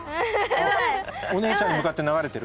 お姉ちゃんに向かって流れてる？